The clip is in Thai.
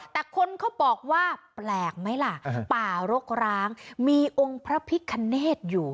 แต่คนเขาบอกว่าแปลกไหมล่ะป่ารกร้างมีองค์พระพิคเนธอยู่